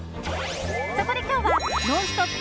そこで今日は「ノンストップ！」